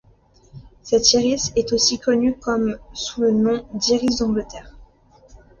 Cet iris est aussi connu comme sous le nom d'iris d'Angleterre.